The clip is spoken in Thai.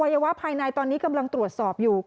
วะภายในตอนนี้กำลังตรวจสอบอยู่